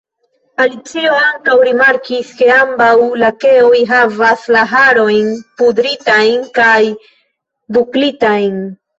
Alicio ankaŭ rimarkis ke ambaŭ lakeoj havas la harojn pudritajn kaj buklitajn.